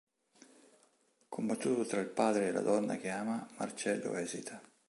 Combattuto tra il padre e la donna che ama, Marcello esita.